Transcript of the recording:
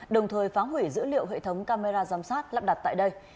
đồng thời phá hủy dữ liệu hệ thống camera giám sát lắp đặt tại đây